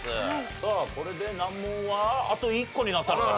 さあこれで難問はあと１個になったのかな？